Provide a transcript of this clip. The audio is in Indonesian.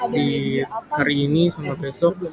di hari ini sampai besok